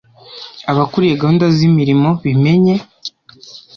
abakuriye gahunda z’imirimo bimenye